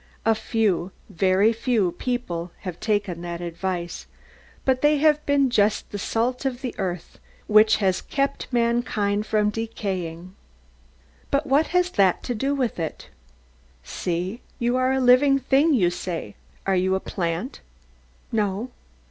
A few, very few, people have taken that advice. But they have been just the salt of the earth, which has kept mankind from decaying. But what has that to do with it? See. You are a living thing, you say. Are you a plant? No.